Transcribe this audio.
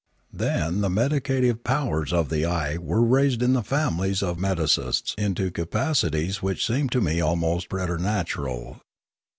Then the medicative powers of the eye were raised in the families of medicists into capacities which seemed to me almost preternatural.